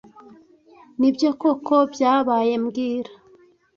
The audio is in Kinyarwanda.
Nibyo koko byabaye mbwira